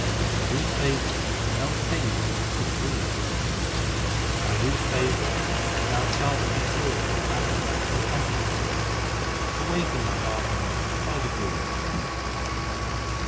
HYMNS OF GURU ARJAN 217 By whose favour thou obtainest supreme bliss, By whose favour thou shalt be filled with happiness and comfort ? Awaken thy heart, Nanak, by the Guru s favour.